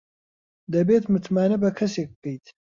دەبێت متمانە بە کەسێک بکەیت.